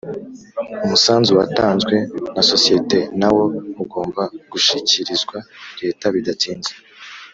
Umusanzu watanzwe nasosiyete nawo ugomba gushikirizwa leta bidatinze